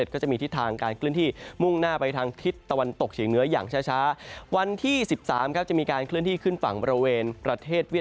ของเราในช่วงวันที่๑๔